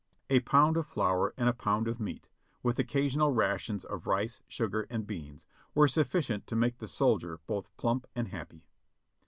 A pound of flour and a pound of meat, with occa sional rations of rice, sugar, and beans were sufificient to make the soldier both plump and happy.